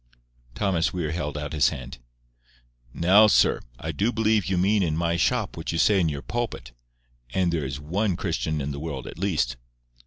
Thomas Weir held out his hand. "Now, sir, I do believe you mean in my shop what you say in your pulpit; and there is ONE Christian in the world at least.